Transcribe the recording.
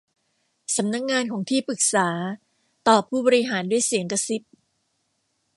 'สำนักงานของที่ปรึกษา' ตอบผู้บริหารด้วยเสียงกระซิบ